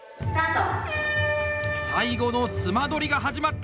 最後の褄どりが始まった！